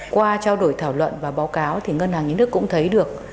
qua trao đổi thảo luận và báo cáo thì ngân hàng nhân nước cũng thấy được